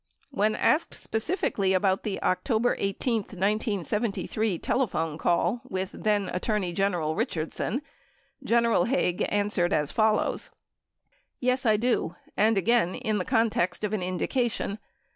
96a When asked specifically about the October 18, 1973, telephone call with then Attorney General Richardson, General Haig answered as folloAvs : Yes, I do and again in the context of an indication.